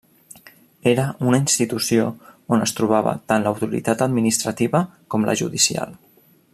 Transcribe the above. Era una institució on es trobava tant l'autoritat administrativa com la judicial.